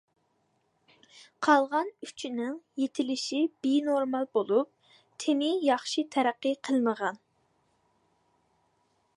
قالغان ئۈچىنىڭ يېتىلىشى بىنورمال بولۇپ، تېنى ياخشى تەرەققىي قىلمىغان.